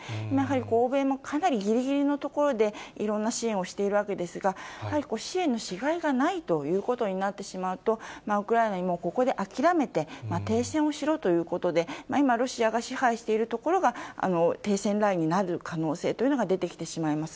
今、欧米もかなりぎりぎりのところでいろんな支援をしているわけですが、やはり支援のしがいがないということになってしまうと、ウクライナにもここで諦めて、停戦をしろということで、今、ロシアが支配している所が、停戦ラインになる可能性というのが出てきてしまいます。